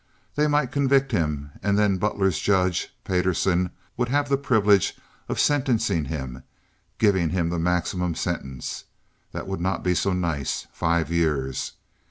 They might convict him, and then Butler's Judge Payderson would have the privilege of sentencing him—giving him the maximum sentence. That would not be so nice—five years!